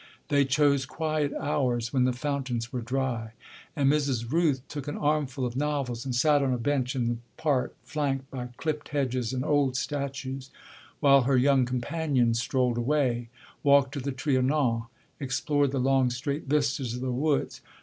They chose quiet hours, when the fountains were dry; and Mrs. Rooth took an armful of novels and sat on a bench in the park, flanked by clipped hedges and old statues, while her young companions strolled away, walked to the Trianon, explored the long, straight vistas of the woods.